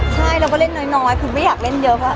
ใช่เราก็เล่นน้อยคือไม่อยากเล่นเยอะค่ะ